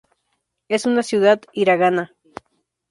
Es una ciudad hiragana.